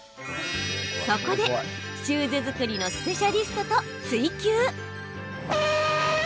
そこで、シューズ作りのスペシャリストと「ツイＱ」。